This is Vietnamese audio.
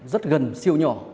rất gần siêu nhỏ